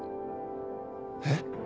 えっ！？